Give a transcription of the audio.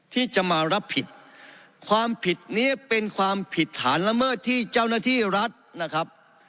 ที่จะมารับผิดความผิดนี้เป็นความผิดฐานละเมิดที่เจ้าหน้าที่รัฐนะครับ